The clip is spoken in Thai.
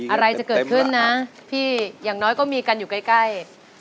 อะไรจะเกิดขึ้นนะพี่อย่างน้อยก็มีกันอยู่ใกล้